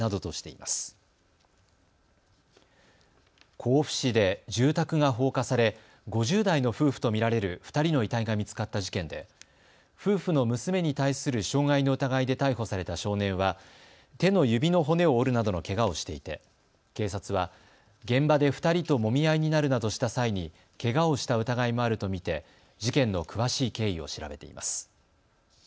甲府市で住宅が放火され５０代の夫婦と見られる２人の遺体が見つかった事件で夫婦の娘に対する傷害の疑いで逮捕された少年は手の指の骨を折るなどのけがをしていて警察は現場で２人ともみ合いになるなどした際にけがをした疑いもあると見て事件の詳しい経緯を調べています。